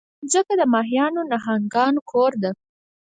مځکه د ماهیانو، نهنګانو کور ده.